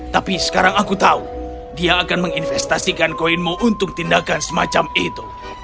tapi sekarang aku tahu dia akan menginvestasikan koinmu untuk tindakan semacam itu